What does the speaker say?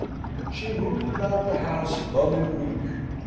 She moved about the house mum and meek.